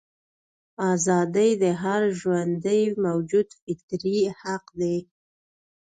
ازادي د هر ژوندي موجود فطري حق دی.